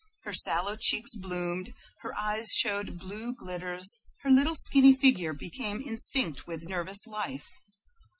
Her sallow cheeks bloomed; her eyes showed blue glitters; her little skinny figure became instinct with nervous life.